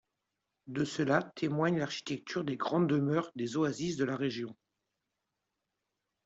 De cela témoigne l'architecture des grandes demeures des oasis de la région.